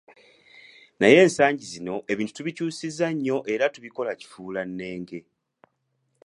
Naye ensangi zino ebintu tubikyusizza nnyo era tubikola kifuulannenge.